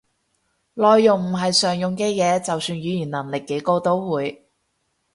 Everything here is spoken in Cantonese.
內容唔係常用嘅嘢，就算語言能力幾高都會